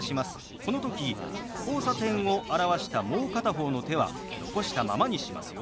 この時「交差点」を表したもう片方の手は残したままにしますよ。